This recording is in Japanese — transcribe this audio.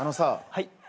はい？